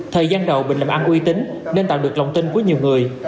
thời gian đầu bình làm ăn uy tín nên tạo được lòng tin với nhiều người